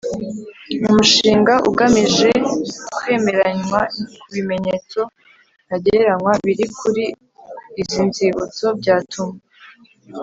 Umushinga ugamije kwemeranywa ku bimenyetso ntagereranywa biri kuri izi nzibutso byatuma